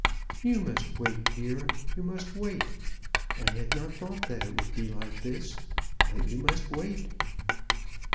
"You must wait, dear; you must wait. I had not thought it would be like this; but you must wait."